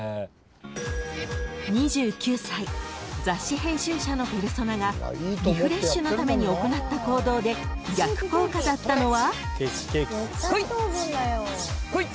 ［２９歳雑誌編集者のペルソナがリフレッシュのために行った行動で逆効果だったのは？］